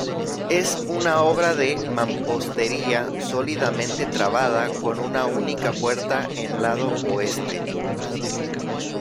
Es una obra de mampostería sólidamente trabada, con una única puerta en lado oeste.